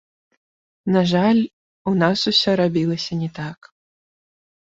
На жаль, у нас усё рабілася не так.